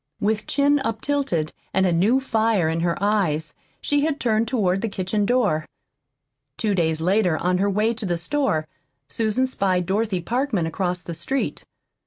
With chin up tilted and a new fire in her eyes, she had turned toward the kitchen door. Two days later, on her way to the store, Susan spied Dorothy Parkman across the street.